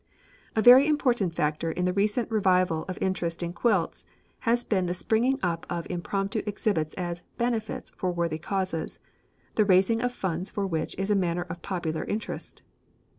A very important factor in the recent revival of interest in quilts has been the springing up of impromptu exhibits as "benefits" for worthy causes, the raising of funds for which is a matter of popular interest.